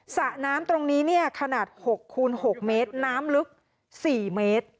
สระน้ำตรงนี้เนี่ยขนาด๖คูณ๖เมตรน้ำลึก๔เมตร